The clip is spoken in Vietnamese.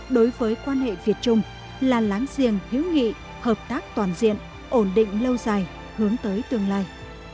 đối với quan hệ việt trung là láng giềng hữu nghị hợp tác toàn diện ổn định lâu dài hướng tới tương lai